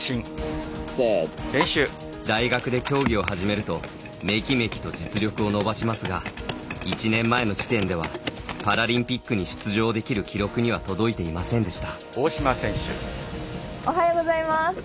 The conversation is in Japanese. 大学で競技を始めるとめきめきと実力を伸ばしますが１年前の時点ではパラリンピックに出場できる記録には届いていませんでした。